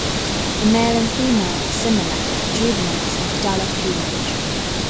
The male and female are similar, juveniles have duller plumage.